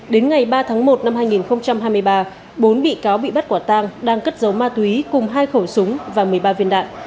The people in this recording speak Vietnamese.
đến ngày ba tháng một năm hai nghìn hai mươi ba bốn bị cáo bị bắt quả tang đang cất giấu ma túy cùng hai khẩu súng và một mươi ba viên đạn